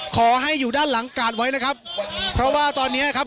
ขอให้อยู่ด้านหลังกาดไว้นะครับเพราะว่าตอนเนี้ยครับ